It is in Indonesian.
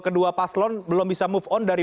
kedua paslon belum bisa move on dari